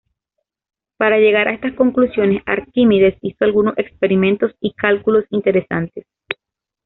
Para llegar a estas conclusiones, Arquímedes hizo algunos experimentos y cálculos interesantes.